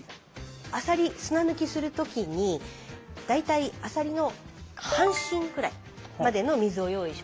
アサリ砂抜きする時に大体アサリの半身くらいまでの水を用意します。